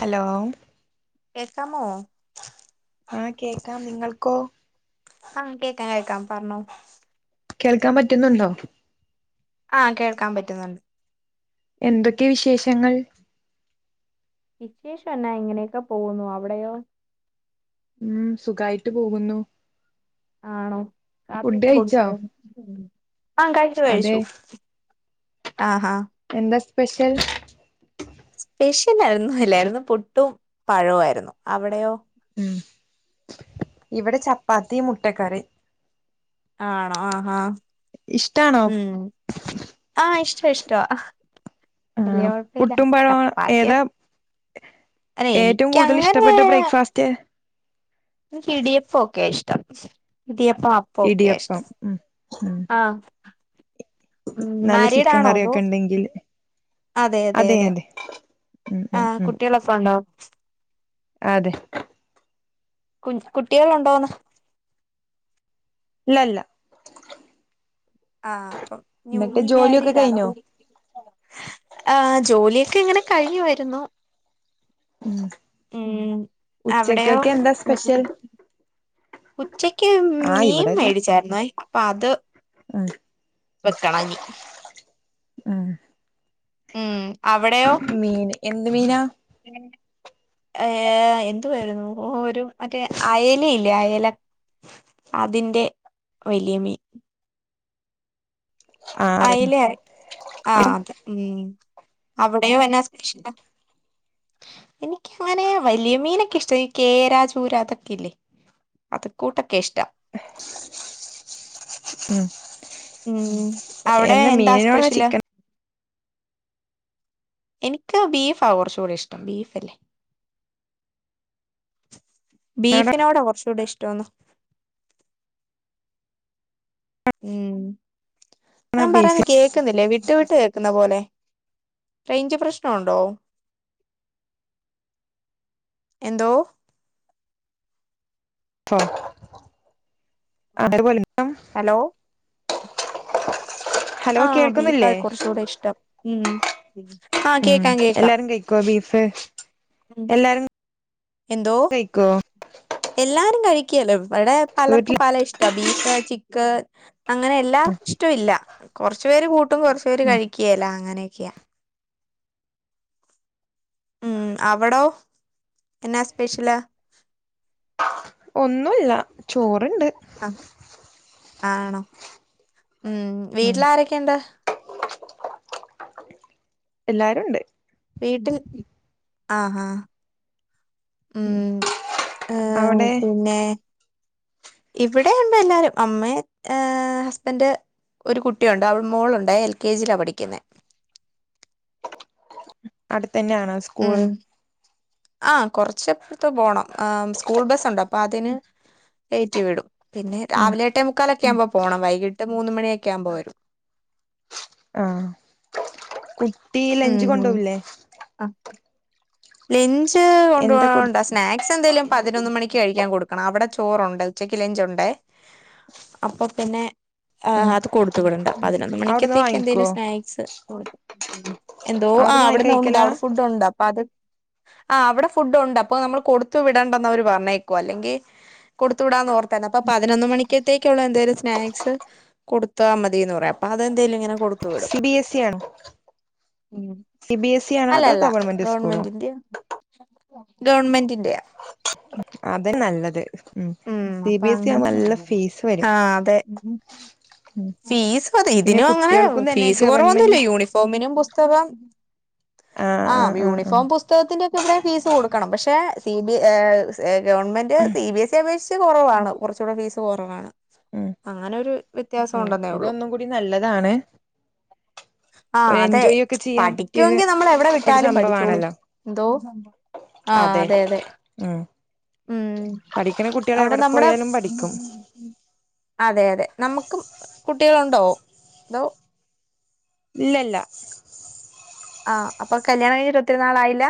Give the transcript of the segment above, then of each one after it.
Hello കേക്കാമോ ആഹ കേക്കാം നിങ്ങൾക്കോ ആഹ കേക്കാം കേക്കാം പറഞ്ഞോ കേൾക്കാൻ പറ്റുന്നുണ്ടോ ആഹ കേൾക്കാൻ പറ്റുന്നുണ്ട് എന്തൊക്കെ വിശേഷങ്ങൾ വിശേഷം എന്നാ എങ്ങനെയൊക്കെ പോകുന്നു അവിടെയോ ഉം സുഖായിട്ട് പോകുന്നു ആണോ ഫുഡ് കാപ്പിയൊക്കെ കഴിച്ചോ കൊടുത്തോ ആഹ കഴിച്ചു അതെ കഴിച്ചു ആഹാ എന്താ സ്പെഷ്യൽ സ്പെഷ്യനായിരുന്നുല്ലായിരുന്നു പുട്ടും പഴവമായിരുന്നു അവിടെയോ ഉ ഇവിടെ ചപ്പാത്തി മുട്ടക്കറി ആണോ ആഹാ ഇഷ്ടാണോ ഉം ആഹ ഇഷ്ടോ ഇഷ്ടോ വല്ലിയ ആഹ് കുഴപ്പില്ല പുട്ടും പഴവും ചപ്പാത്തിയ ഏതാ ഓക്കെ അതേ ഏറ്റവും കൂടുതൽ എനിക്കങ്ങനെ ഇഷ്ടപ്പെട്ട ബ്രേക്ക്ഫാസ്റ്റ് ക്ക് ഇടിഅപ്പം ഒക്കെ ഇഷ്ടം ഇടിയപ്പം ആപ്പ ഓക്കെ അഷ്ട ഇടിയപ്പം ഉം ഉം ആഹ ഉ നല്ല മാരീഡ ചിക്കൻ ആണോ അതോ കറിയൊക്കെ ഉണ്ടെങ്കിൽ അതെ അതെ അതെ ഉം ആ ഉം ഉം കുട്ടികളൊക്കെ ഉണ്ടോ അതെ കു കുട്ടികൾ ഉണ്ടോന്ന് ഇല്ലല്ല ആഹ് ന്യൂ ജോലിയൊക്കെ മാരീഡാണോ കഴിഞ്ഞോ ആ ജോലിയൊക്ക ക്ക എങ്ങനെ കഴിഞ്ഞുവാരുന്നു ഉം ഉം അവിടെയോ ഉച്ചക്കൊക്കെ എന്താ സ്പെഷ്യൽ ഉച്ചക്ക് ആഹ് മീൻ മേടിച്ചായിുന്നോ ഇപ്പൊ അത് ആഹ് വെക്കണ ഇനി ആഹ് ഉം അവിടെയോ മീൻ എന്ത് മീനാ ഏ എന്ത് വാരുന്നു ഒരു മറ്റേ അയലയില്ലേ അയല അതിന്റെ വലിയ മീൻ ആഹ് അയിലെ ആ അതെ ഉം അവിടെയും എന്ന സ്പെഷ്യല് എനിക്ക് അങ്ങനെ വലിയ മീനൊക്കെ ഇഷ്ടാ ഈ കേര ചൂര അതൊക്കെ ഇല്ലേ അത് കൂട്ടൊക്കെ ഇഷ്ട ഉം ഉം അവിടെ എന്താ മീനിനോടാ സ്പെഷ്യല് ചിക്കനോ എനിക്ക് ബീഫാ കൊറച്ചുകൂടി ഇഷ്ടം ബീഫ് അല്ലേ ബീഫിനോട കൊറച്ചുകൂടി ഇഷ്ടംന്ന് ഉം ഞാൻ പറയന്ന ബീഫോ കേക്കുന്നില്ലേ വിട്ട് വിട്ട് കേ ക്കുന്ന പോലെ റേഞ്ച് പ്രശ്നം ഉണ്ടോ എന്തോ ഓ അതേപോലൻ ഹലോ ഹലോ ആ ബീഫാ കേൾക്കുന്നില്ലേ കൊറച്ച് കൂടെ ഇഷ്ടം ഉം ഉം ഉം എല്ലാരും കഴിക്കുവോ ബീഫ് ഉം എല്ലാരും എന്തോ കഴിക്കോ എല്ലാരും കഴി ക്കേല്ല ഇവ് വടെ പലർക്കും വീട്ടില് പല ഇഷ്ട ബീഫ് ചിക്ക് അങ്ങനെ എല്ലാ ഇഷ്ടവില്ല കൊറച്ചു പേര് കൂട്ടും കൊറച്ചു പേര് കഴിക്ക്യേല്ലാ അങ്ങനെയൊക്കെയാ ഉം അവിടോ എന്നാ സ്പെഷ്യല് ഒന്നുവില്ല ചോർ ആ ആണോ ഉം ഉം വീട്ടില് ആരൊക്കെയുണ്ട് എല്ലാരും ഒണ്ട് വീട്ടിൽ ആഹാ ഉം ആ അവിടെ പിന്നെ ഇവിടെയുണ്ട് എല്ലാരും അമ്മേം ഏ ഹസ്ബൻഡ് ഒരു കുട്ടിയുണ്ട് അവ മോളുണ്ടേ എൽ കെ ജിയിലാ പഠിക്കുന്നെ അടുത്ത് തന്നെയാണോ സ്കൂള് ആ കൊറച്ചഫ് ത്ത് പോണം ആ സ്കൂൾ ബസ്സൊണ്ട് അപ്പൊ അതിന് കയറ്റി വിടും പിന്നെ ഉം രാവിലെ ട്ടേ മുക്കാലൊക്കെ ഉം ആകുമ്പോ പോകണം വൈകിട്ട് മൂന്ന് മണിയൊക്കെ ആവുമ്പോ വരും ആഹ് കു ട്ടീ ഉം ലെഞ്ച് കൊണ്ടോവുല്ലേ ലെഞ്ച് കൊടു കൊണ്ടോവണ്ട സ്നാക്സ് എന്തെങ്കിലും പതിനൊന്ന് മണി ക്ക് കഴിക്കാൻ കൊടുക്കണം അവിടെ ചോറുണ്ട് ഉച്ചക്ക് ലെഞ്ചുണ്ട് അപ്പൊ പിന്നെ ആ ഉം അത് കൊടുത്തുവിടണ്ട അപ്പൊ പതിനൊന്ന് അവിടുന്ന് മണിക്കത്തേക്ക് വാങ്ങിക്കോ എന്തേലും സ്നാക്സ് കൊടു എന്തോ ആ അവിടുന്ന് വാങ്ങി അവിടന്ന് ഉണ്ട് കഴിക്കലാ അവിടെ ഫുഡ് ഉണ്ട് അപ്പൊ അത് ആ് അവിടെ ഫുഡ് ഉണ്ട് അപ്പൊ നമ്മൾ കൊടുത്തു വിടണ്ടന്ന് അവര് പറഞ്ഞേക്കുവ അല്ലെങ്കി കൊടുത്തു വിടാന്നോർത്തേന്നെ അപ്പൊ പതിനൊന്ന് മണിക്കത്തേക്കുള്ള എന്തേലും സ്നാക്സ് കൊടുത്താ മതിന്ന് പറയും അപ്പൊ അതെന്തേലും ഇങ്ങനെ കൊടുത്തു വിടും സിബി എസ് സി ആണോ സി ബിഎസ് ഇ ആണോ അതോ അല്ലല്ല ഗവൺമെന്റ് സ്കൂളോ ഗവൺമെന്റിന്റെ ഗവൺമെന്റിന്റെയാ അത് നല്ലത് ഉം സി അപ്പ ബി എസ് ഇ അങ്ങനെ ആവുമ്പോ നല്ല ഫീസ് വരും ആ അതെ ഉം ഫീസും അതെ പിന്നെ ഇതിനും അങ്ങനെ കുട്ടികൾക്കും തന്നെ ഫീസ് കൊറവൊന്നുല്ല ഗവൺമെന്റ് യൂണിഫോമിനും പുതകം ആഹ് ആ ആഹ് ആഹ് യൂണിഫോം പുതകത്തിന്റെ ഒക്കെ ഇവിടെ ഫീസ് കൊട ക്കണം പക്ഷെ സി ബി ഗവൺമെന്റ് ആഹ് സി ബി എസ് സി അപേക്ഷിച്ച് കൊറവാണ് കുറച്ചുകൂടെ ഫീസ് കൊറവാണ് ഉം ഉം അങ്ങനെ ഒരു വ്യത്യാസം ഉം ഉണ്ടെന്നേള്ളൂ ഇതൊന്നും കൂടി നല്ലതാണ് ആഹ് ഒരു അതെ എൻജോയ് ഒക്കെ ചെയ്യാൻ പറ്റിയത് പഠിക്കുമെങ്കിൽ നമ്മൾ എവിടെ ഒരു വിട്ടാലും പഠിച്ചോളു സംഭവാണല്ലോ എന്തോ ആഹ് അതെ അതെ ഉം ഉം പഠിക്കണ കുട്ടികൾ അവിടെ എവിടെ നമ്മുടെ പോയാലും പഠിക്കും അതെ അതെ നമുക്കും കുട്ടികളുണ്ടോ അതോ ഇല്ലല്ല ആഹ് അപ്പൊ കല്യാണം കഴിഞ്ഞിട്ട് ഒത്തിരിനാളായില്ല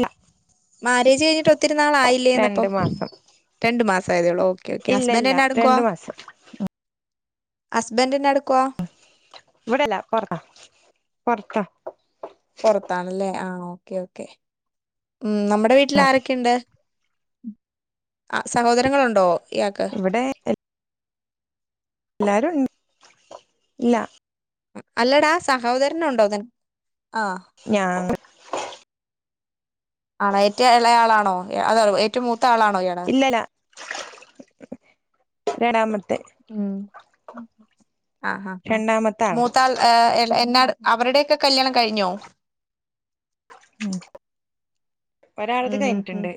ഇ മാരേജ് കഴിഞ്ഞിട്ട് ഒ ഒത്തിരനാൾ ആയില്ലേന്ന്പ്പം മാസം ചയ്തളോ ഇല്ല ഇല്ല രണ്ടു മാസം ഹസ്ബൻ്റിനട് ഇവിടെല്ല പൊറത്താ പൊറത്ത പൊറത്താണല്ലേ ആഹ് ഓക്കെ ഓക്കെ ഉം നമ്മടെ വീട്ടിൽ ആരൊക്കെയ്ണ്ട് ആ സഹോദരങ്ങളുണ്ടോ ഇയാൾക്ക് ഇവിടെ എല്ലാരും ഇൻ ല്ല അല്ലടാ സഹോദരനുണ്ടോ നിൻ ഞാൻ ആണോ ഏറ്റവും ഇളയാളാണോ അത ഏറ്റു മൂ ത്ത ആളാണോ ഇയാള് രടാമ ഉം ആഹ് ആഹ് ഹാ ഹാ രണ്ടാമത്തെ ആളാ മൂത്താൾ എ എന്നാ അവരുടെയൊക്കെ കല്യാണം കഴിഞ്ഞോ ഉം ഒരാളത് ഉം ഉം ഉം കഴിഞ്ഞിട്ടുണ്ട്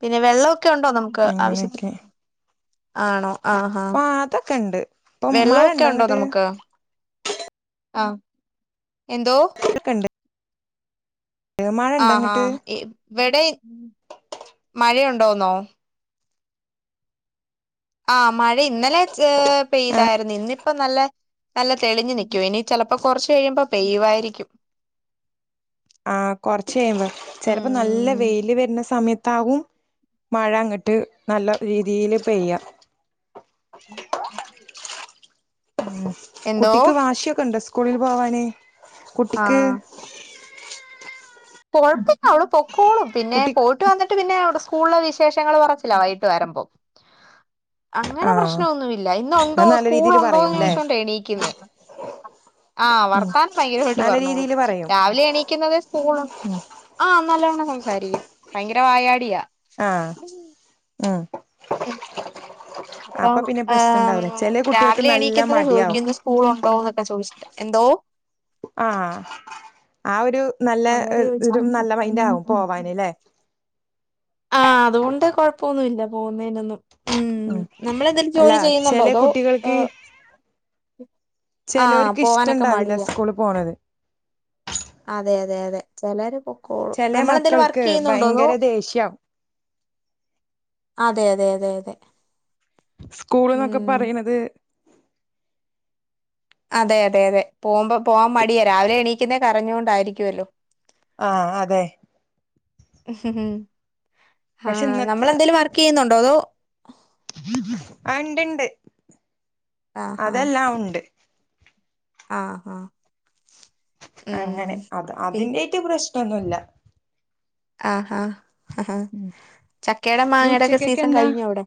പിന്നെ വെള്ളൊ ഒക്കെ ഉണ്ടോ നമുക്ക് ആവശ്യത്തി അങ്ങനെയൊക്കെ ആണോ ആഹാ ആ അതൊക്കെ ഉണ്ട് ഇപ്പം മഴ വെള്ളമൊക്കെ ഉണ്ടോ അങ്ങട്ട് നമുക്ക് ആഹ് എന്തോ ണ്ട് മഴ ആ ഉണ്ടോ ആ അങ്ങട്ട് വിടെ മഴയുണ്ടോന്നോ ആ മഴ ഇന്നലെ ആ പെയ്തായിരുന്നു ഇന്നിപ്പോ നല്ല നല്ല തെളിഞ്ഞു നിക്കും ഇനി ചിലപ്പോ കുറച്ച്കഴിയുമ്പോ പെയ്യുവായിരിക്കും ആഹ് കൊറച്ച കഴുമ്പോ ചിലപ്പോ നല്ല ഉം വെയില് വരുന്ന സമയത്ത് ത്താവും മഴ അങ്ങിട്ട് നല്ല രീതിയില് പെയ്യ എന്തോ കുട്ടിക്ക് വാശിയൊക്കെ ഉണ്ട് സ്കൂളിൽ പോവാനേ കുട്ടിക്ക് കൊഴപ്പൊന്നു അവൾ പൊ കോളും പിന്നെ കുട്ടി പോയിട്ട് വന്നിട്ട് പിന്നെ അവിടെ സ്കൂളില വിശേഷങ്ങൾ കുറച്ചില്ല വൈകിട്ട് വരുമ്പോ അങ്ങനെ ആ പ്രശ്നൊന്നുമില്ല ഇന്നുണ്ടോ അത് നല്ല സ്കൂൾ രീതിൽ ഉണ്ടോന്ന് പറയുംല്ലേ ചോദിച്ചോണ്ടേ എണീക്കുന്നേ ആ ഉം വർത്താനം ഭയങ്കരമായിട്ട് നല്ല പറഞ്ഞോളൂ രീതിൽ പറയും രാവിലെ എണീക്കുന്നുന്നത് സ്കൂൾ ഉ ആഹ് നല്ലവണ്ണം ശരി ഭയങ്കര വായാടിയാ ആഹ് ആ ഉം അപ്പൊ അപ്പം പിന്നെ പ്രശ്നം ഉണ്ടാവില്ല ചില കുട്ടികൾക്ക് രാവിലെ നല്ല എണീക്കുന്നത് മടിയാവും ചോദിക്കുന്നു സ്കൂൾ ഉണ്ടോ എന്നൊക്കെ ചോദിച്ച എന്തോ ആ ആ ഒരു നല്ല അങ്ങനെ നല്ല മൈൻഡാകും ചോദിച്ചിട്ട് പോവാനല്ലേ ആഹ് അതുകൊണ്ട് കൊഴപ്പൊന്നുല്ല പോകുന്നേനൊന്നും ഉം ഉ നമ്മളെന്തേലും അല്ല ജോലി ചെയ്യുന്നുണ്ടോ ചെല അതോ കുട്ടികൾക്ക് ഏഹ് ആഹ് ചേലോൽക് പോവാനൊക്കെ ഇഷ്ടംണ്ടാവില്ല മടിയാ സ്കൂള് പോണത് അതെ അതെ അതെ ചിലരെ ചില മക്കൾക്ക് ഭയങ്കര ദേഷ്യം അതെ അതെ അതെ അതെ സ്കൂളുന്നൊക്കെ ഉം പറയുന്നത് അതെ അതെ അതെ പോമ്പം പോവാൻ മടിയാ രാവിലെ എണീക്കുന്നെ കരഞ്ഞോ ണ്ടയിരിക്കുവല്ലോ ആ അതെ ആ പക്ഷെ നമ്മൾ ഇന്നത്തെ എന്തേലും വർക്ക് ചെയ്യുന്നുണ്ടോ അതോ [inaudible] ആ ഇണ്ടിണ്ട് അതെല്ലാം ഉണ്ട് ആ ആ അങ്ങനെ അത് പി അതിന്റെട്ട് പ്രശ് ന്നുല്ല ആ ആ ഉം ഇനി ഉച്ചക്കെക്ക് സീസൺ എന്താ കഴിഞ്ഞോ അവിടെ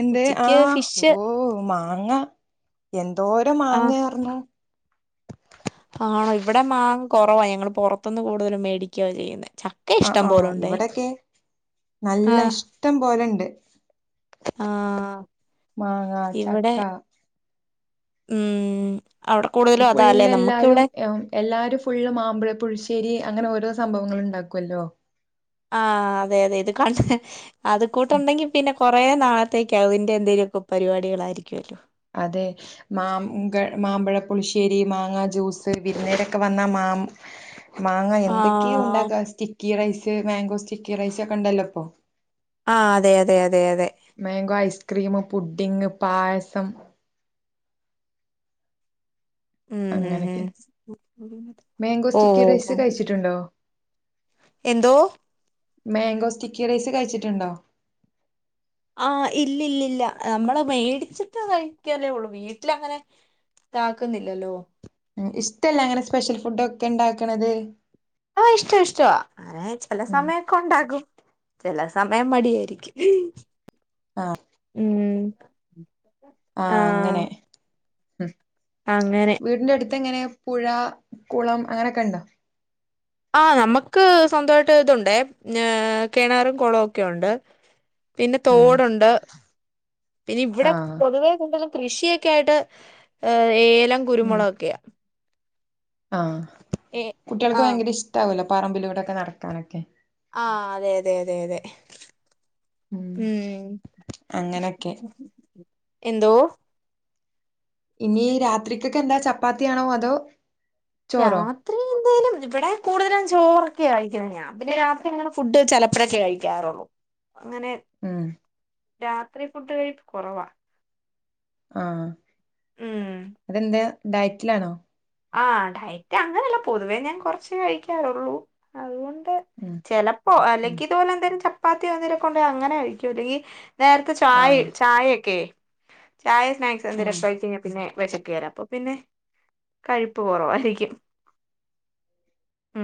എന്ത് ആ ഉച്ചക്ക് ഫിഷ് ഓഹ് മാങ്ങ എന്തോരം ആഹ് മാങ്ങയാർന്നു ആണോ ഇവിടെ മാങ്ങ കുറവാ ഞങ്ങൾ പുറത്തുന്ന് കൂടുതലും മേടിക്കുവ ചെയ്യുന്നേ ആ ആ ഇവിടൊക്കെ നല്ല ആഹ് ഇഷ്ടം പോലുണ്ട് ആഹ് മാങ്ങ ചക്ക മ് ഫുള്ള് എല്ലാരും എല്ലാരും ഫുള്ള് മാമ്പഴ പുളുശ്ശേരി അങ്ങനെ ഓരോ സംഭവങ്ങൾ ഇണ്ടാക്കുല്ലോ ആ അതെ അതെ ഇത് കണ്ട് അത് കൂട്ട് ഉം, ഉണ്ടെങ്കി പിന്നെ കുറേ നാളത്തേക്ക് അതിൻ്റെ എന്തേലുവൊക്കെ പരിപാടികളായിരിക്കുവല്ലോ അതെ മാം മാമ്പഴ പുളിശ്ശേരി മാങ്ങാ ജ്യൂസ് വിരുന്നേരൊക്കെ വന്ന മാം മാങ്ങ എന്തൊക്കെയോ ആഹ് ഉണ്ടാക്കാ sticky rice mango sticky rice ഒക്കെ ഉണ്ടല്ലോ ഇപ്പോ ആ അതെ അതെ അ മാങ്കോ ഐസ്ക്രീംമും പുഡിങ് പായസം ഉം ഉം അങ്ങനൊക്കെ ഉം മാങ്കോ ഓ സ്റ്റിക്കി ഓ ഓ റൈസ് കഴിച്ചിട്ടുണ്ടോ എന്തോ മാങ്കോ സ്റ്റിക്കി റൈസ് കഴിച്ചിട്ടുണ്ടോ ആ ഇല്ലില്ലില്ല നമ്മൾ മേടിച്ചിട്ട് കഴിക്കല്ലേ ഉള്ളു വീട്ടില് അങ്ങനെ ഇതാക്കുന്നില്ലല്ലോ ഉം ഇഷ്ടെല്ല അങ്ങെനെ സ്പെഷ്യൽ ഫുഡ് ഒക്കെ ഇണ്ടാക്ക്ണെത് ആ ഇഷ്ടാ ഇഷ്ടവാ ഏഹ് ചെല ഉം സമയൊക്കെ ഉണ്ടാക്കും ചെല സമയം മടിയായിരിക്കും ആഹ് ഉം ആഹ് അങ്ങെനെ ഉം അങ്ങെനെ ത്ത് എങ്ങെനെ പുഴ, കുളം അങ്ങനെ ഒക്കെ ഇണ്ടോ? ആ നമുക്ക് സ്വന്തമായിട്ട് ഇതുണ്ടേ കെണറും കൊളവും ഒക്കെ ഉണ്ട് പിന്നെ ഉം തോടുണ്ട് ഇനി ഇവിടെ ആഹ് പൊതുവെ [unintelligible] കൃഷിയൊക്കെ ആയിട്ട് ഏ ല്ലാം കുരുമുളക് ഒക്കെയാ ആ കുട്ടികൾക്ക് ആഹ് ഭയങ്കര ഇഷ്ടാവല്ലോ പറമ്പിലൂടെക്കെ നടക്കാനൊക്കെ ആ അതെ അതെ അതെ അതെ ഉം അങ്ങനൊക്കെ എന്തോ ഇനി രാത്രിക്കൊക്കെ എന്താ ചപ്പാത്തിയാണോ അതോ ചോറോ രാത്രി എന്തായാലും ഇവിടെ കൂടുതലും ചോറ് ക്കെ കഴിക്കുന്നേ ഞാൻ പിന്നെ രാത്രി ഇങ്ങെനെ ഫുഡ് ചെപ്പഴൊക്കെ കഴിക്കാറുള്ളൂ അങ്ങനെ ഉം രാത്രി ഫുഡ് കഴിപ്പ് കൊറവാണ് ആ ഉം അത് എന്റെയാ ഡയറ്റിലാണോ ആ ഡയറ്റ് അങ്ങനെയല്ല പൊതുവേ ഞാൻ കുറച്ച് കഴിക്കാറുള്ളൂ അതുകൊണ്ട് ഉം ചെലപ്പോ ഉം അല്ലെങ്കി ഇതുപോലെ എന്തേലും ച പ്പാത്തി എന്തേലുമൊക്കെ ഉണ്ടെങ്കിൽ അങ്ങനെ കഴിക്കും ഇതീ നേരത്തെ ചായ ആഹ് ചായയെക്കെയെ ചായ സ്നാക്സ് ഉം എന്തേലുമൊക്കെ കഴിച്ച് കഴിഞ്ഞാൽ പിന്നെ വെശക്കേല്ല അപ്പോ പിന്നെ കഴിപ്പ് കുറവായിരിക്കും ഉം